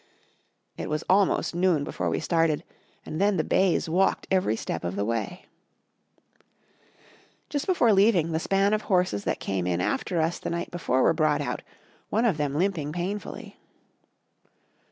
It was almost noon before we started and then the bays walked every step of the way. Just before leaving, the span of horses that came in after us the night before were brought out, one of them limping painfully.